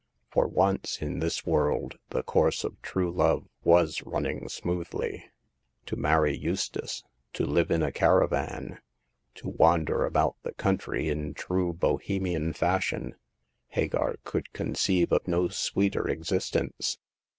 For once in this world the course of true love was running smoothly. To marry Eustace ; to live in a caravan ; to wander about the country in true Bohemian fashion— Hagar could con conceive of no sweeter existence.